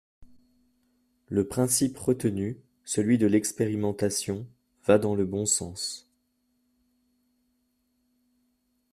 Le principe retenu, celui de l’expérimentation, va dans le bon sens.